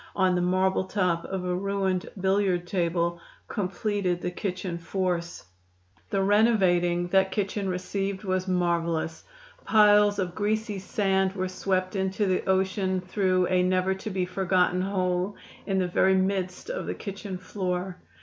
on the marble top of a ruined billiard table, completed the kitchen force. The renovating that kitchen received was marvelous! Piles of greasy sand were swept into the ocean through a never to be forgotten hole in the very midst of the kitchen floor.